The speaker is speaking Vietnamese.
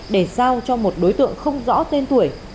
để giao cho một đối tượng không rõ tên tuổi